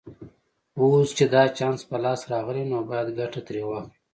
اوس چې دا چانس په لاس راغلی نو باید ګټه ترې واخلو